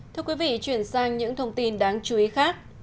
thưa quý vị chuyển sang những thông tin đáng chú ý khác